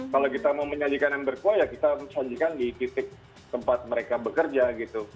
kalau kita mau menyajikan yang berkuah ya kita sajikan di titik tempat mereka bekerja gitu